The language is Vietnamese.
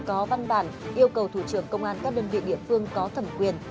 có văn bản yêu cầu thủ trưởng công an các đơn vị địa phương có thẩm quyền